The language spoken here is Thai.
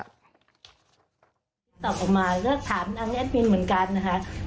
ต่อออกมาถามนางแอดมินเหมือนกัน